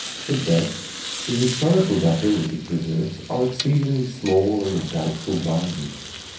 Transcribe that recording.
At best the historical data which it preserves are exceedingly small and of doubtful value.